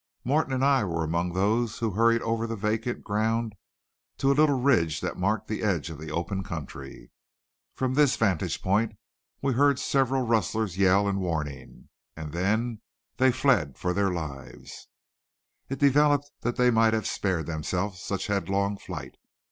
Morton and I were among those who hurried over the vacant ground to a little ridge that marked the edge of the open country. From this vantage point we heard several rustlers yell in warning, then they fled for their lives. It developed that they might have spared themselves such headlong flight.